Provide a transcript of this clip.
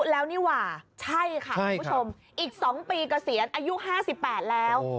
แล้วนี่หว่าใช่ค่ะคุณผู้ชมอีก๒ปีเกษียณอายุ๕๘แล้ว